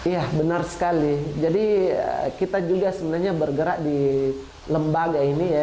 ya benar sekali jadi kita juga sebenarnya bergerak di lembaga ini ya